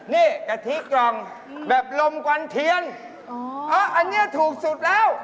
นี่กะทิกล่องแบบลมกวันเทียนเพราะอันนี้ถูกสุดแล้ว